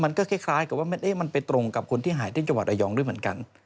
มันก็คล้ายกับว่ามันไปตรงกับคนที่หายที่จังหวัดระยองด้วยเหมือนกัน